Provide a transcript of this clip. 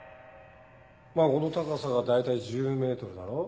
まぁこの高さが大体１０ｍだろ？